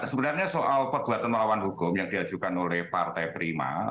sebenarnya soal perbuatan melawan hukum yang diajukan oleh partai prima